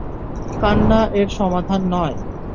কান্না এর সমাধান নয়।